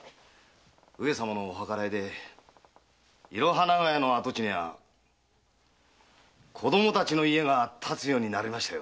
上様のお計らいでいろは長屋の跡地には子供達の家が建つようになりましたよ。